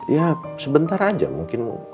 ya sebentar aja mungkin